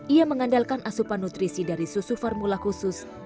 ia mengandalkan asupan nutrisi dari susu formula khusus